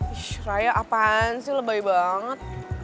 ish raya apaan sih lebay banget